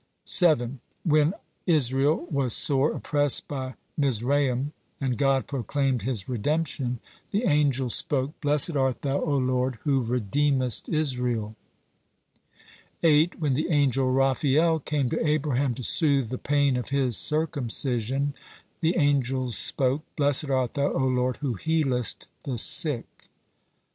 7. When Israel was sore oppressed by Mizraim, and God proclaimed his redemption, the angels spoke: "Blessed art Thou, O Lord, who redeemest Israel." 8. When the angel Raphael came to Abraham to soothe the pain of his circumcision, the angels spoke: "Blessed art Thou, O Lord, who healest the sick."